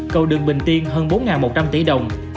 cầu đường bình tiên hơn bốn một trăm linh tỷ đồng